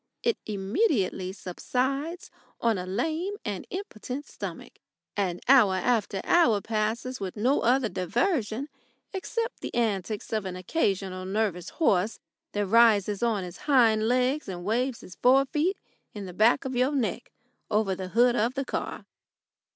It immediately subsides on a lame and impotent stomach, and hour after hour passes with no other diversion except the antics of an occasional nervous horse that rises on his hind legs and waves his forefeet in the back of your neck over the hood of the motor.